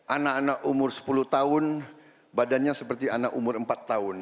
anak anak umur sepuluh tahun badannya seperti anak umur empat tahun